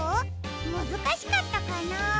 むずかしかったかな？